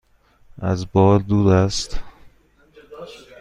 از بار دور است؟